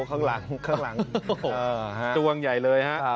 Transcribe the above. โอ้ยด้วงใหญ่เลยฮะ